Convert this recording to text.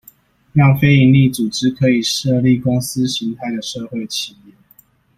讓非營利組織可以設立公司型態的社會企業